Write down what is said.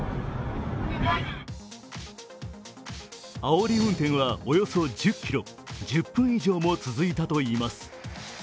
あおり運転はおよそ１０ｋｍ、１０分以上も続いたといいます。